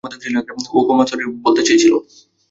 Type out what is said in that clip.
ও ক্ষমা স্যরি বলতে চেয়েছিল বলে।